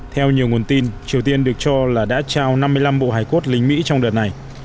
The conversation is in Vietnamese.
theo nhiều nguồn tin triều tiên được cho là đã trao năm mươi năm bộ hài cốt lính mỹ trong đợt này